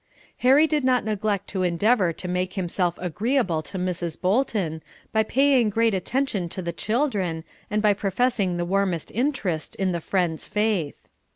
Harry did not neglect to endeavor to make himself agreeable to Mrs. Bolton, by paying great attention to the children, and by professing the warmest interest in the Friends' faith.